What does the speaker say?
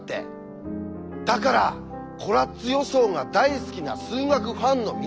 だからコラッツ予想が大好きな数学ファンの皆さん頑張って下さい！